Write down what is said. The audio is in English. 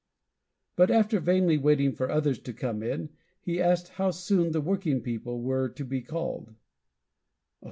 But, after vainly waiting for others to come in, he asked how soon the working people were to be called.